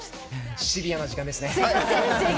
シビアな時間ですね。